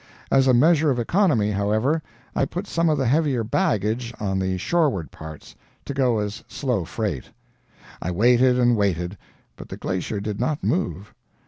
As a measure of economy, however, I put some of the heavier baggage on the shoreward parts, to go as slow freight. I waited and waited, but the glacier did not move.